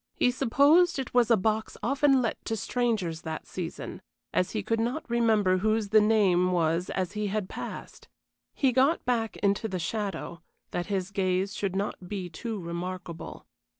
He supposed it was a box often let to strangers that season, as he could not remember whose the name was as he had passed. He got back into the shadow, that his gaze should not be too remarkable.